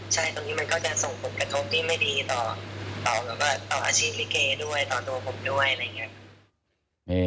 ใช่ตรงนี้มันก็จะส่งผลกระทบที่ไม่ดีต่อแบบว่าต่ออาชีพลิเกด้วยต่อตัวผมด้วยอะไรอย่างนี้